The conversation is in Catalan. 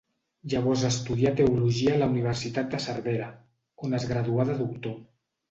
Llavors estudià teologia a la universitat de Cervera, on es graduà de Doctor.